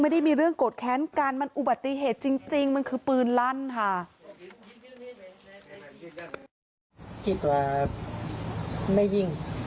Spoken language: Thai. ไม่ได้มีเรื่องโกรธแค้นกันมันอุบัติเหตุจริง